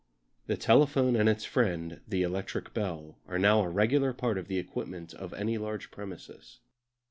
The telephone and its friend, the electric bell, are now a regular part of the equipment of any large premises.